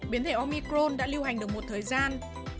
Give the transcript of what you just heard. biến thể omicron đã lưu hành được một thời gian